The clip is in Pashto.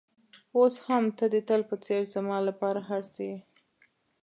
اوس هم ته د تل په څېر زما لپاره هر څه یې.